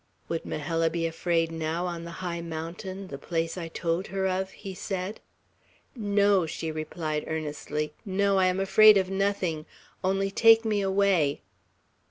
"Would Majella be afraid, now, on the high mountain, the place I told her of?" he said. "No!" she replied earnestly. "No! I am afraid of nothing! Only take me away!"